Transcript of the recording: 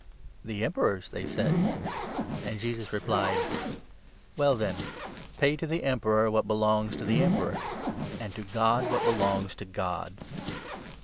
24 "The Emperor's," they said ; and Jesus replied : 25 "Well then, pay to the Emperor what belongs to the Emperor, and to God what belongs to God."